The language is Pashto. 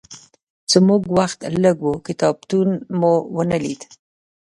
زموږ وخت لږ و، کتابتون مو ونه لید.